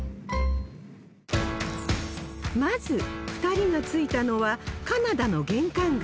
まず２人が着いたのはカナダの玄関口